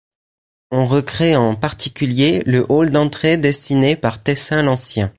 On recrée en particulier le hall d'entrée dessiné par Tessin l'Ancien.